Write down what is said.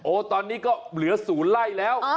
ตอนนี้ก็เหลือ๐ไร่แล้ว